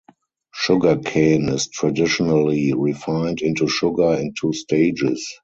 Sugarcane is traditionally refined into sugar in two stages.